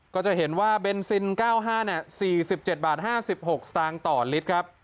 ก็จะเห็นว่าเบนซินเก้าห้าเนี้ยสี่สิบเจ็ดบาทห้าสิบหกสตางต่อลิตรครับ